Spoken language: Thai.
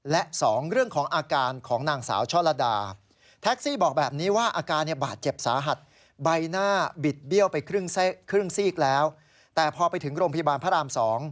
และ๒เรื่องของอาการของนางสาวช่อลดา